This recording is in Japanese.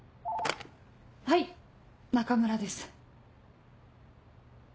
はい中村です。